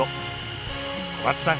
小松さん